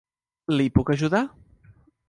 Li puc ajudar?